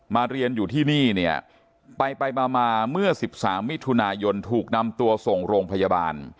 เรียนอยู่ที่นี่เนี่ยไปไปมามาเมื่อ๑๓มิถุนายนถูกนำตัวส่งโรงพยาบาล